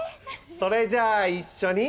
それじゃあ一緒に。